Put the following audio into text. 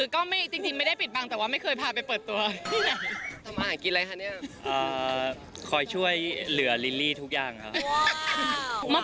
ก็เคยถ่ายแบบถ่ายโฆษณาอะไรพวกนี้แหละครับ